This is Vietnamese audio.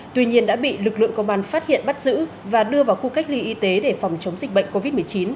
tuy nhiên đã bị lực lượng công an phát hiện bắt giữ và đưa vào khu cách ly y tế để phòng chống dịch bệnh covid một mươi chín